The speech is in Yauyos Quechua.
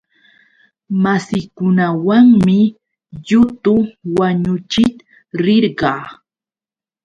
Massikunawanmi yutu wañuchiq rirqaa.